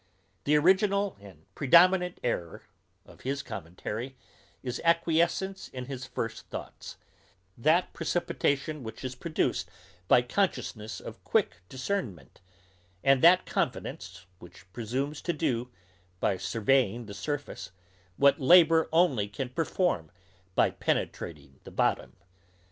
The original and predominant errour of his commentary, is acquiescence in his first thoughts; that precipitation which is produced by consciousness of quick discernment; and that confidence which presumes to do, by surveying the surface, what labour only can perform, by penetrating the bottom.